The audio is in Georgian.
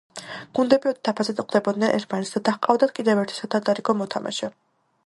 გუნდები ოთხ დაფაზე ხვდებოდნენ ერთმანეთს და ჰყავდათ კიდევ ერთი სათადარიგო მოთამაშე.